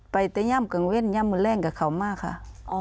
ไปแต่ย่ำกลางเวทย่ำมือแรงกับเขามาค่ะ